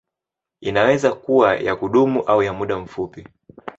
Inaweza kuwa ya kudumu au ya muda mfupi.